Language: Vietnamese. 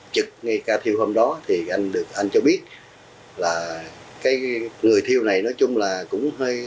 trực ngay ca thiêu hôm đó thì anh được anh cho biết là cái người thiêu này nói chung là cũng hơi